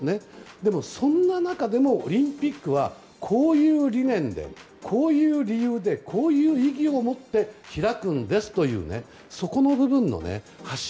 でも、そんな中でもオリンピックはこういう理念でこういう理由でこういう意義を持って開くんですというそこの部分の発信